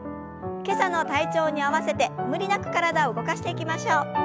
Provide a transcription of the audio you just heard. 今朝の体調に合わせて無理なく体を動かしていきましょう。